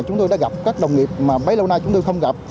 chúng tôi đã gặp các đồng nghiệp mà bấy lâu nay chúng tôi không gặp